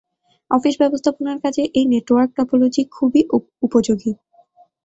Office ব্যবস্থাপনার কাজে এ নেটওয়ার্ক টপোলজি খুবই উপযোগী।